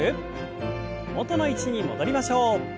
元の位置に戻りましょう。